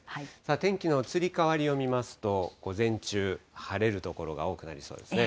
天気の移り変わりを見ますと、午前中、晴れる所が多くなりそうですね。